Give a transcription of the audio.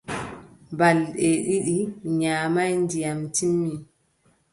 Balɗe ɗiɗi mi nyaamaay, ndiyam timmi.